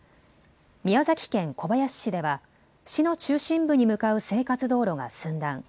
宮崎県小林市では市の中心部に向かう生活道路が寸断。